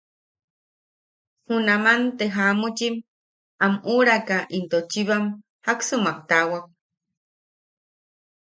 Junaman te jaamuchim am uʼuraka into chibam, jaksumak taawak.